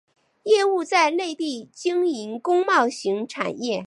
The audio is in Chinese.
业务在内地经营工贸型产业。